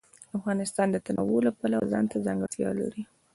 افغانستان د تنوع د پلوه ځانته ځانګړتیا لري.